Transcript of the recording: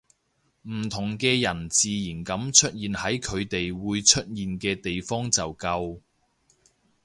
唔同嘅人自然噉出現喺佢哋會出現嘅地方就夠